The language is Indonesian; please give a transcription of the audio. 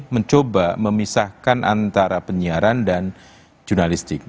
mencoba memisahkan antara penyiaran dan jurnalistik